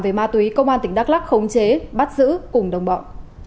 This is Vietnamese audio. về ma túy công an tỉnh đắk lắc khống chế bắt giữ cùng đồng bọn